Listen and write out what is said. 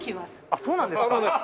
あっそうなんですか？